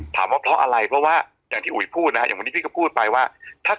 ว่าเพราะอะไรเพราะว่าอย่างที่อุ๋ยพูดนะฮะอย่างวันนี้พี่ก็พูดไปว่า